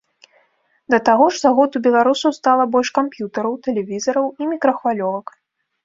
Да таго ж, за год у беларусаў стала больш камп'ютараў, тэлевізараў і мікрахвалёвак.